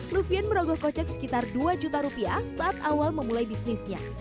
lufian merogoh kocek sekitar dua juta rupiah saat awal memulai bisnisnya